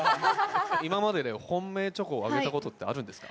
今までで本命チョコをあげたことってあるんですか？